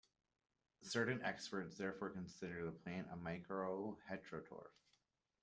Certain experts therefore consider the plant as a myco-heterotroph.